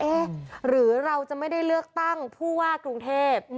หรือเราจะไม่ได้เลือกตั้งผู้ว่ากรุงเทพ